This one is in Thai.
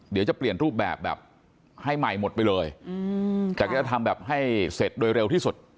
เดี๋ยวจะเปลี่ยนรูปแบบแบบให้ใหม่หมดไปเลยแต่ก็จะทำแบบให้เสร็จโดยเร็วที่สุด